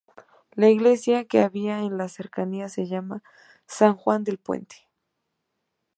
La iglesia que había en las cercanías se llamaba San Juan del Puente.